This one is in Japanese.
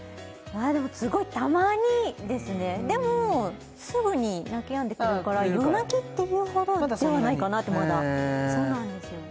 でもすごいたまにですねでもすぐに泣きやんでくれるから夜泣きっていうほどではないかなってまだそうなんですよ